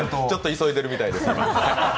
ちょっと急いでるみたいです、今。